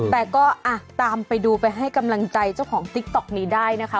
แต่ก็ตามไปดูไปให้กำลังใจเจ้าของติ๊กต๊อกนี้ได้นะคะ